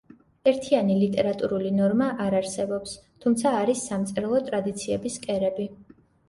ერთიანი ლიტერატურული ნორმა არ არსებობს, თუმცა არის სამწერლო ტრადიციების კერები.